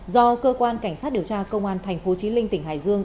do cơ quan cảnh sát điều tra công an tp chí linh tỉnh hải dương